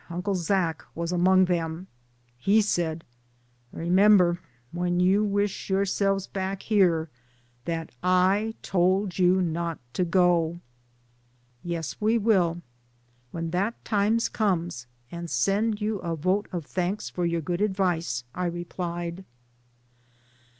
Uncle Zack, was among them, he said, "Remember, when you wish yourselves back here, that / told you not to go." "Yes, we will when that times comes and send you a vote of thanks for your good ad vice," I replied.